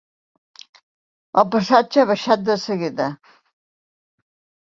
El passatge ha baixat de seguida.